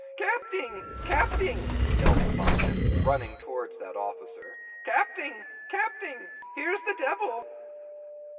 "Capting! Capting!" yelled the bumpkin, running towards that officer; "Capting, Capting, here's the devil."